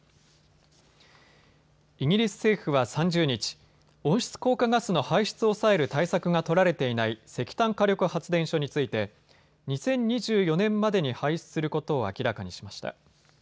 イギリス政府は３０日、温室効果ガスの排出を抑える対策が取られていない石炭火力発電所について２０２４年までに廃止することを明らかにしました。